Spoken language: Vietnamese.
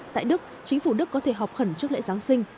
tại đức chính phủ đức có thể họp khẩn trước lễ giáng sinh